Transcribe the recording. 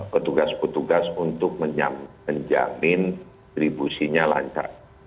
petugas petugas untuk menjamin distribusinya lancar